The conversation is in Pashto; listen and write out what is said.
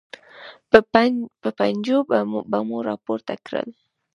په پنجو به مو راپورته کړل.